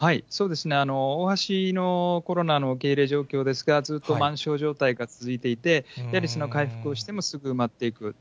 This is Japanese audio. おおはしのコロナの受け入れ状況ですが、ずっと満床状態が続いていて、やはり回復をしても埋まっていく。